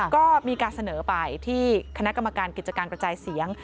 ก็มีการเสนอไปที่คณะกรรมการกิจการกระจายเสียง